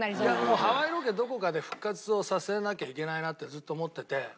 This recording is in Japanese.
もうハワイロケどこかで復活をさせなきゃいけないなってずっと思っててもう決めました。